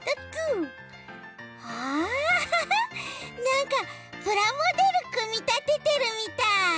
なんかプラモデルくみたててるみたい。